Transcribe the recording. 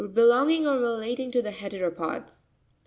—Belonging or relat ing to heteropods.